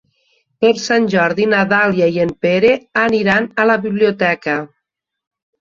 Per Sant Jordi na Dàlia i en Pere aniran a la biblioteca.